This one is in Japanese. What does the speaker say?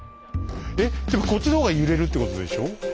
えでもこっちの方が揺れるってことでしょ？